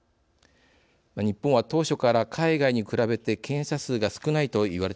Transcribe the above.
日本は当初から海外に比べて検査数が少ないと言われてきました。